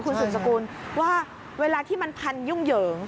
คุณสืบสกุลว่าเวลาที่มันพันยุ่งเหยิง